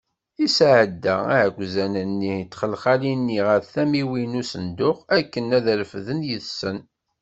Isɛedda iɛekkzan-nni di txelxalin-nni ɣef tamiwin n usenduq, akken ad t-refden yes-sen.